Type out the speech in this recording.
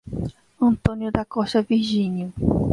Antônio da Costa Virginio